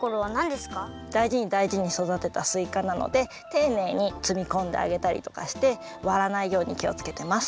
だいじにだいじにそだてたすいかなのでていねいにつみこんであげたりとかしてわらないようにきをつけてます。